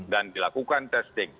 dan dilakukan testing